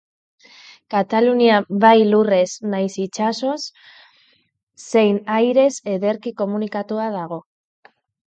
Katalunia bai lurrez, nahiz itsasoz, zein airez ederki komunikatua dago.